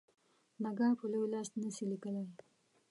نږه په لوی لاس نه سي لیکلای.